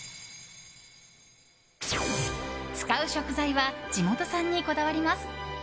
使う食材は地元産にこだわります。